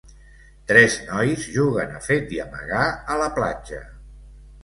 Tres nois juguen a fet i amagar a la platja.